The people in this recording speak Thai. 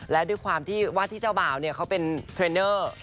และด้วยความที่ว่าที่เจ้าบ่าวเขาเป็นเทรนเนอร์